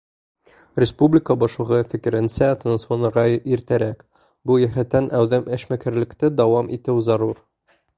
Республика башлығы фекеренсә, тынысланырға иртәрәк, был йәһәттән әүҙем эшмәкәрлекте дауам итеү зарур.